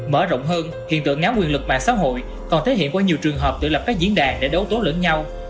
mở rộng hơn hiện tượng ngáo quyền lực mạng xã hội còn thể hiện qua nhiều trường hợp tự lập các diễn đàn để đấu tố lẫn nhau